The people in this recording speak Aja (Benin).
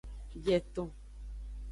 Bieton.